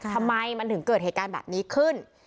ทำไมมันถึงเกิดเหตุการณ์แบบนี้ขึ้น